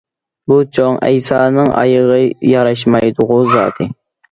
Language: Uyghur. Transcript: بۇ چوڭ ئەيسانىڭ ئايىغى ياراشمايدىغۇ زادى!